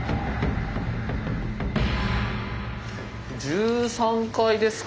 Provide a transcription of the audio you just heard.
１３階ですか。